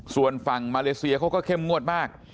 ส่วนฝั่งมาเลเซียเขาก็เข้มงวดมาก